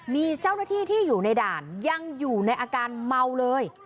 มีเจ้าหน้าที่ที่อยู่ในด่านยังอยู่ในอาการเมาเลย